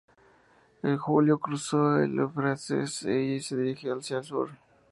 En julio cruzó el Éufrates y se dirigió hacia el sur.